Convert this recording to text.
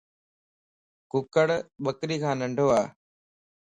ڪُڪڙ ٻڪري کان ننڊو اَ